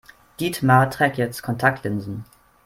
Dietmar trägt jetzt Kontaktlinsen.